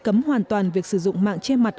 cấm hoàn toàn việc sử dụng mạng che mặt